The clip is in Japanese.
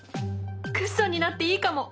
クッションになっていいかも！